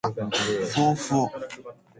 ｆｗｆ ぉ